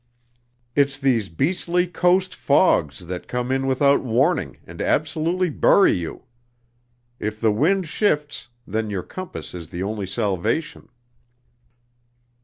It's these beastly coast fogs that come in without warning and absolutely bury you. If the wind shifts, then your compass is the only salvation."